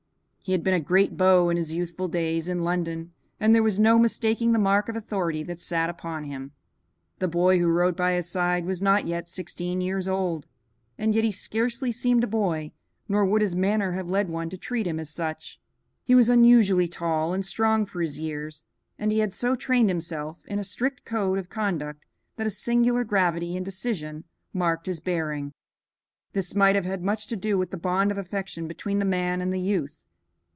He had been a great beau in his youthful days in London, and there was no mistaking the mark of authority that sat upon him. The boy who rode by his side was not yet sixteen years old, and yet he scarcely seemed a boy, nor would his manner have led one to treat him as such. He was unusually tall and strong for his years, and he had so trained himself in a strict code of conduct that a singular gravity and decision marked his bearing. This might have had much to do with the bond of affection between the man and the youth.